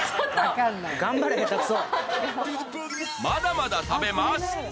まだまだ食べます。